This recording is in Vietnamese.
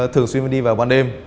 thường xuyên đi vào ban đêm